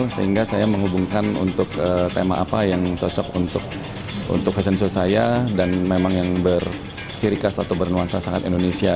sehingga saya menghubungkan untuk tema apa yang cocok untuk fashion show saya dan memang yang bercirikas atau bernuansa sangat indonesia